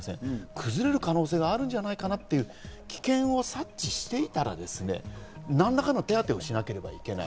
崩れる可能性があるんじゃないかなという危険を察知していたら、何らかの手当てをしなきゃいけない。